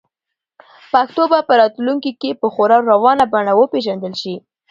پښتو به په راتلونکي کې په خورا روانه بڼه وپیژندل شي.